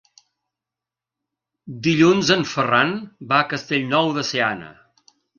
Dilluns en Ferran va a Castellnou de Seana.